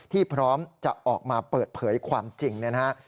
ที่พร้อมจะออกมาเปิดเผยความจริงนะฮะ